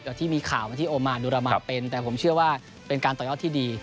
กับที่มีข่าวมาที่โอมานูรามาเป็นแต่ผมเชื่อว่าเป็นการต่อยอดที่ดี